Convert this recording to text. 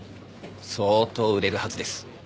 相当売れるはずです。